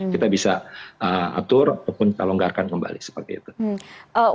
kita bisa atur ataupun kalonggarkan kembali seperti itu